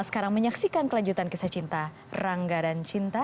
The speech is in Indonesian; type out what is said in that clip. sekarang menyaksikan kelanjutan kisah cinta rangga dan cinta